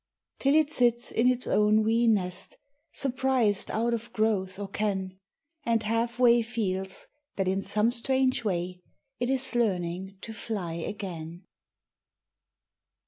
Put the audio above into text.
Till it sits in its own wee nest, Surprised out of growth or ken, And half way feels that in some strange way It is learning to fly again.